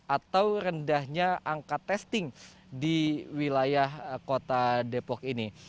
atau rendahnya angka testing di wilayah kota depok ini